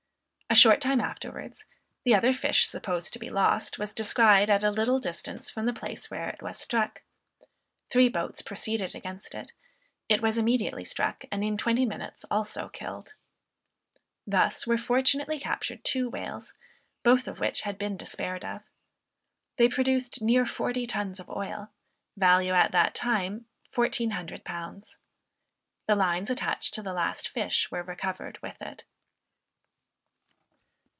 A short time afterwards, the other fish supposed to be lost, was descried at a little distance from the place where it was struck; three boats proceeded against it; it was immediately struck, and in twenty minutes also killed. Thus were fortunately captured two whales, both of which had been despaired of. They produced near forty tons of oil, value, at that time £1400. The lines attached to the last fish were recovered with it.